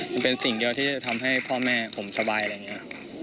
มันเป็นสิ่งเดียวที่จะทำให้พ่อแม่ผมสบายอะไรอย่างนี้